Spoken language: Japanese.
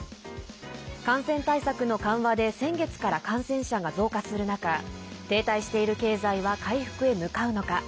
感染対策の緩和で先月から感染者が増加する中停滞している経済は回復へ向かうのか。